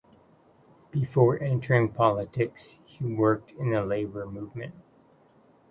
Before entering politics he worked in the labour movement.